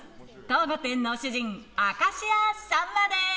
当御殿の主人明石家さんまです！